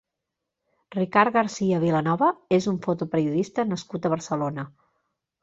Ricard Garcia Vilanova és un fotoperiodista nascut a Barcelona.